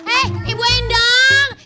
eh ibu endang